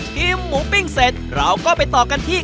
หมูปิ้งเสร็จเราก็ไปต่อกันที่